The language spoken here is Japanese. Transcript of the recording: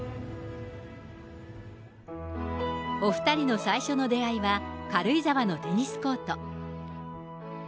お２人の最初の出会いは軽井沢のテニスコート。